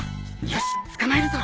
よし捕まえるぞ。